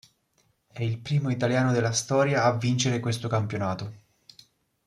È il primo italiano della storia a vincere questo campionato.